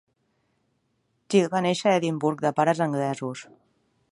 Gill va néixer a Edimburg de pares anglesos.